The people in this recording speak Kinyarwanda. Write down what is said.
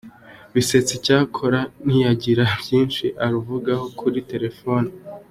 Bisetsa, icyakora ntiyagira byinshi aruvugaho kuri telefoni.